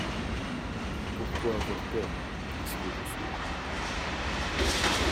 Pouquoi avoir peur puisque je suis là ?